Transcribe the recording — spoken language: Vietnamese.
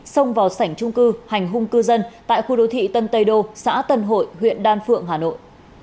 xông vào sảnh trung cư hành hung cư dân tại khu đô thị tân tây đô xã tân hội huyện đan phượng hà nội